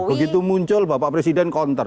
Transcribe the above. begitu muncul bapak presiden konter